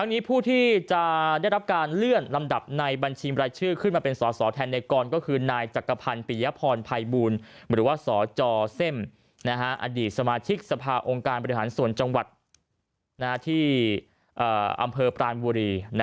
องค์การบริหารส่วนจังหวัดที่อำเภอปราณวุรี